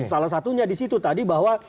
salah satunya disitu tadi bahwa